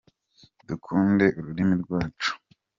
Dukunde ururimi rwacu.